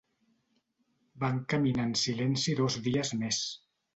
Van caminar en silenci dos dies més.